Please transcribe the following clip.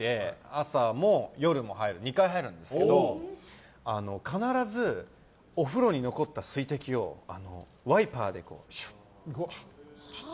朝も夜も２回入るんですけど必ずお風呂に残った水滴をワイパーで、しゅって。